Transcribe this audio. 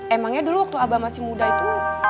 emangnya dulu waktu abah masih muda itu